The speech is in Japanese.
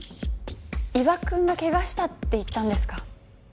伊庭くんが「怪我した」って言ったんですか？